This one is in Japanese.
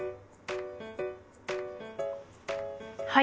はい。